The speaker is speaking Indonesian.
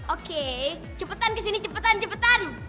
oke cepetan kesini cepetan cepetan